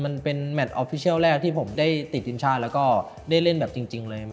มันเป็นแมทออฟฟิเชียลแรกที่ผมได้ติดทีมชาติแล้วก็ได้เล่นแบบจริงเลย